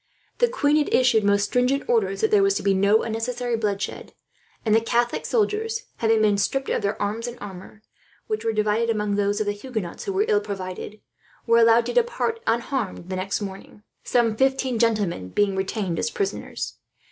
The queen had issued most stringent orders that there was to be no unnecessary bloodshed; and the Catholic soldiers, having been stripped of their arms and armour, which were divided among those of the Huguenots who were ill provided, were allowed to depart unharmed the next morning, some fifteen gentlemen being retained as prisoners.